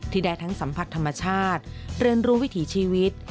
ได้ทั้งสัมผัสธรรมชาติเรียนรู้วิถีชีวิต